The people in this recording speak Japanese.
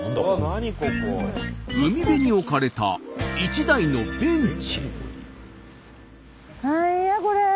海辺に置かれた一台のベンチ。